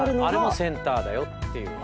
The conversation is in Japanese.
あれもセンターだよって。